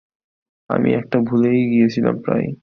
আমি এটা ভুলেই গিয়েছিলাম প্রায়।